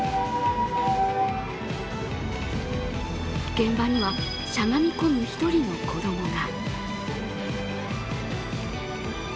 現場にはしゃがみ込む１人の子供が。